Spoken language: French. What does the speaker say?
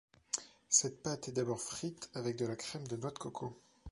Cette pâte est d'abord frite avec de la crème de noix de coco.